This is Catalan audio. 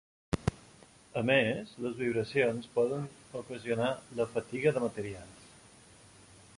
A més, les vibracions poden ocasionar la fatiga de materials.